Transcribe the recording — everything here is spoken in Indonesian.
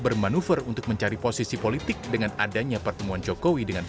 bermanuver untuk mencari posisi politik dengan adanya pertemuan jokowi dengan